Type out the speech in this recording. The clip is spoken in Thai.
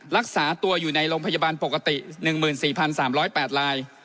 รักษาตัวอยู่ในโรงพยาบาลปกติ๑๔๓๐๘ราย